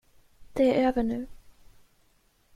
Det är över nu.